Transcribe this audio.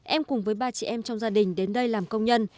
em cùng với ba chị em trong gia đình đến đây làm công nhân